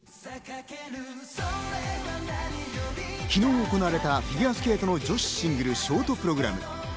昨日行われたフィギュアスケートの女子シングルのショートプログラム。